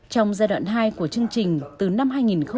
trong giai đoạn hai của chương trình từ năm hai nghìn một mươi năm